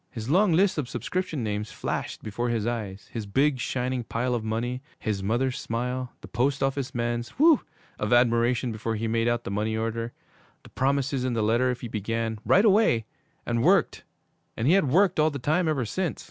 _ His long list of subscription names flashed before his eyes, his big, shining pile of money, his mother's smile, the post office man's 'whew!' of admiration before he made out the money order, the promises in the letter if he began 'right away' and worked and he had worked all the time ever since!